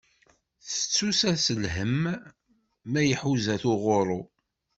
Settu-as lhem, ma iḥuza-t uɣuṛṛu.